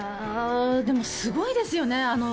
すごいですよね。